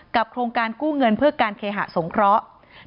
โครงการกู้เงินเพื่อการเคหะสงเคราะห์